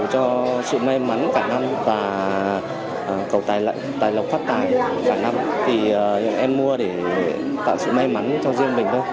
do sự may mắn cả năm và cầu tài lộc phát tài cả năm thì em mua để tạo sự may mắn cho riêng mình thôi